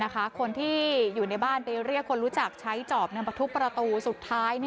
คนที่อยู่ในบ้านไปเรียกคนรู้จักใช้จอบนำประทุบประตูสุดท้าย